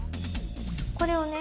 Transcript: これをね